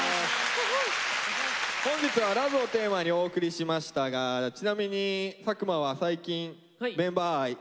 本日は「ＬＯＶＥ」をテーマにお送りしましたがちなみに佐久間は最近メンバー愛感じましたか？